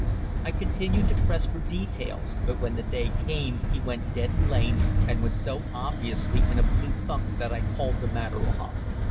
I continued to press for details, but when the day came he went dead lame, and was so obviously in a blue funk that I called the matter off.